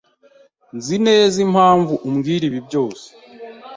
Sinzi neza impamvu umbwira ibi byose.